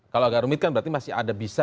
kalau agak rumit kan berarti masih ada bisa